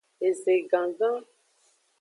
Eze gangan.